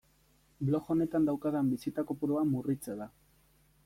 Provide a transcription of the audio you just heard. Blog honetan daukadan bisita kopurua murritza da.